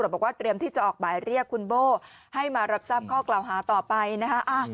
บอกว่าเตรียมที่จะออกหมายเรียกคุณโบ้ให้มารับทราบข้อกล่าวหาต่อไปนะคะ